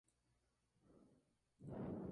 El globo mide aproximadamente un metro de diámetro.